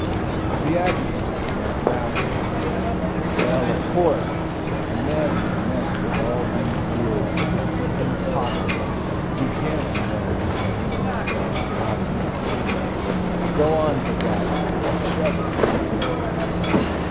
The adjutant began to babble. "Well, of course a man we've messed with all these years impossible you can't, you know, leave your intimate friends rotting on the field. Go on, for God's sake, and shovel, you!"